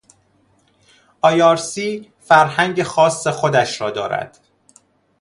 آیآرسی فرهنگ خاص خودش را دارد.